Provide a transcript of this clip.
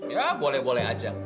ya boleh boleh aja